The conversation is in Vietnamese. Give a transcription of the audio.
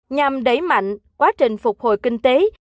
nhằm đẩy mạnh quá trình phục hồi kinh tế